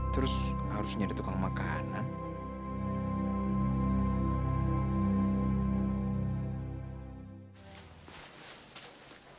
terus harusnya jadi tukang makanan